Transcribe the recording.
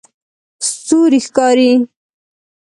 ستوری ښکاري